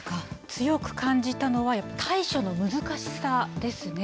強く感じたのは、対処の難しさですね。